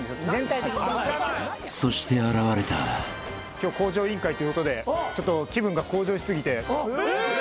今日『向上委員会』っていうことでちょっと気分が向上し過ぎて。